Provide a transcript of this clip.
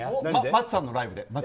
マツさんのライブで。